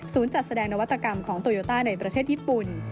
จัดแสดงนวัตกรรมของโตโยต้าในประเทศญี่ปุ่น